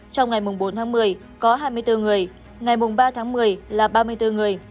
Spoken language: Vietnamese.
trong ngày bốn tháng một mươi có hai mươi bốn người ngày ba tháng một mươi là ba mươi bốn người